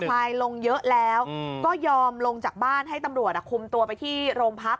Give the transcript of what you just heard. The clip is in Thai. ควายลงเยอะแล้วก็ยอมลงจากบ้านให้ตำรวจคุมตัวไปที่โรงพัก